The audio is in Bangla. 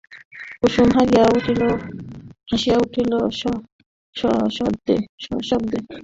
কুসুম হাসিয়া উঠিল সশব্দে।